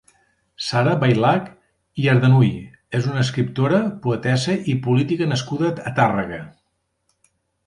Sara Bailac i Ardanuy és una escriptora, poetessa i política nascuda a Tàrrega.